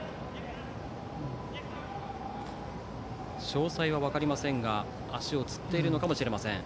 詳細は分かりませんが足をつっているのかもしれません。